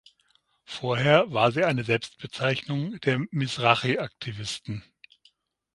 Vorher war sie eine Selbstbezeichnung der Mizrachi-Aktivisten.